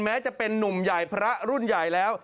แม้จะเป็นนุ่มใหญ่พระรุ่นใหญ่แล้ว